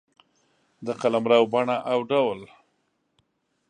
د قلمرو بڼه او ډول